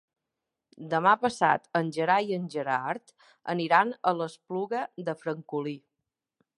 Demà passat en Gerai i en Gerard aniran a l'Espluga de Francolí.